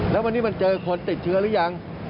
แล้ววันนี้มันเจอคนติดเชื้อหรือยัง